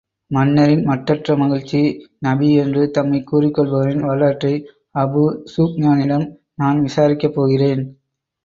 மன்னரின் மட்டற்ற மகிழ்ச்சி நபி என்று தம்மைக் கூறிக் கொள்பவரின் வரலாற்றை, அபூ ஸூப்யானிடம் நான் விசாரிக்கப் போகிறேன்.